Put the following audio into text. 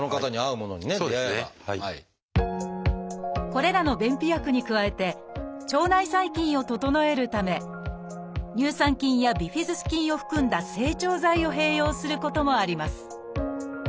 これらの便秘薬に加えて腸内細菌を整えるため乳酸菌やビフィズス菌を含んだ整腸剤を併用することもあります。